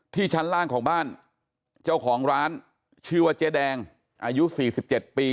ชั้นล่างของบ้านเจ้าของร้านชื่อว่าเจ๊แดงอายุ๔๗ปี